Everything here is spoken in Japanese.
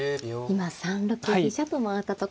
今３六飛車と回ったところです。